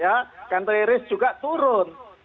ya country risk juga turun